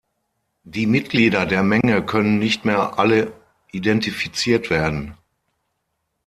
Die Mitglieder der Menge können nicht mehr alle identifiziert werden.